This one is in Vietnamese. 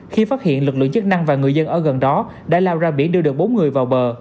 khi phát hiện lực lượng chức năng và người dân ở gần đó đã lao ra biển đưa được bốn người vào bờ